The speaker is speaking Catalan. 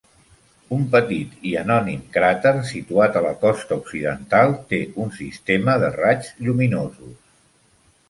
Un petit i anònim cràter situat a la costa occidental té un sistema de raigs lluminosos.